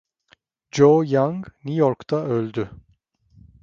Joe Young New York’ta öldü.